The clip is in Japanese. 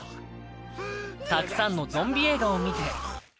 たくさんのゾンビ映画を見て。